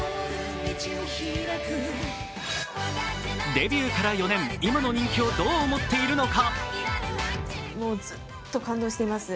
デビューから４年、今の人気をどう思っているのか。